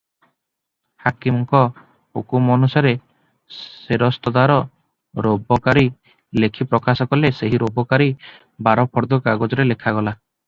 ହାକିମଙ୍କ ହୁକୁମ ଅନୁସାରେ ସେରସ୍ତଦାର ରୋବକାରୀ ଲେଖି ପ୍ରକାଶ କଲେ ସେହି ରୋବକାରୀଟା ବାରଫର୍ଦ୍ଧ କାଗଜରେ ଲେଖଗଲା ।